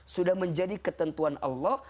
sudah menjadi ketentuan allah